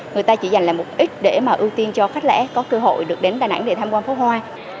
người ta chỉ dành lại một ít để mà ưu tiên cho khách lẽ có cơ hội được đến đà nẵng để tham quan phó hoa